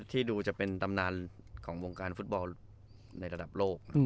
ที่ดูจะเป็นตำนานของวงการฟุตบอลในระดับโลก